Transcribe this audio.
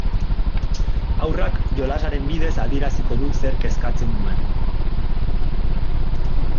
Haurrak jolasaren bidez adieraziko du zerk kezkatzen duen.